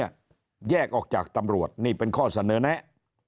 แยกออกจากตำรวจนี่เป็นข้อเสนอแนะ